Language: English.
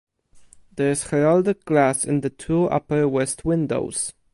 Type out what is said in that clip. There is heraldic glass in the two upper west windows.